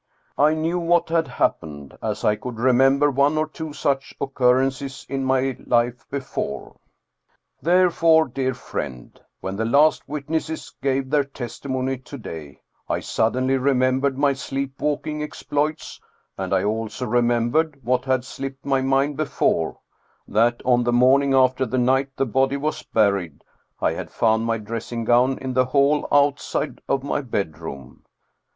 I knew what had happened, as I could remember one or two such occurrences in my life before. " Therefore, dear friend, when the last witnesses gave 296 Steen Steensen Blicher their testimony to day, I suddenly remembered my sleep walking exploits, and I also remembered, what had slipped my mind before, that on the morning after the night the body was buried I had found my dressing gown in the hall outside of my bedroom.